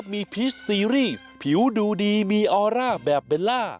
เมืองชนโอเคครับ